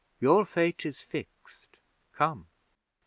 Your fate is fixed. Come."